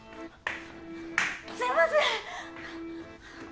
すいません！